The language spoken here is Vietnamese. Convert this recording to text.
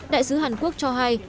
đại sứ hàn quốc cho hay